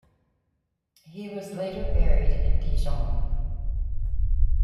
He was later buried in Dijon.